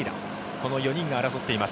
この４人が争っています。